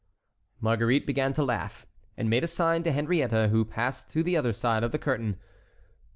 Marguerite began to laugh, and made a sign to Henriette, who passed to the other side of the curtain.